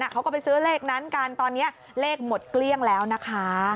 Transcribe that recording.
เขาก็ไปซื้อเลขนั้นกันตอนนี้เลขหมดเกลี้ยงแล้วนะคะ